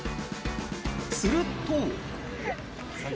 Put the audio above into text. すると。